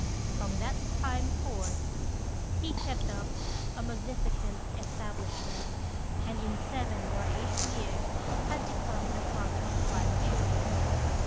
From that time forth he kept up a magnificent establishment; and in seven or eight years had become the father of five children.